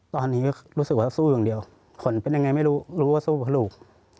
ตอนนี้ก็รู้สึกว่าสู้อย่างเดียวผลเป็นยังไงไม่รู้รู้ว่าสู้เพื่อลูก